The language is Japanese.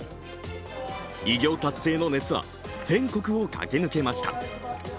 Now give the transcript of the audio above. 偉業達成の熱は全国は駆け抜けました。